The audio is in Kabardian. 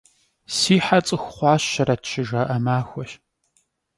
«Si he ts'ıxu xhuaşeret!» – şıjja'e maxueş.